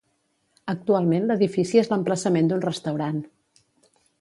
Actualment l'edifici és l'emplaçament d'un restaurant.